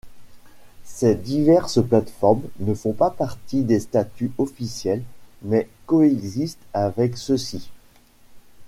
Ces diverses plateformes ne font pas partie des statuts officiels mais coexistent avec ceux-ci.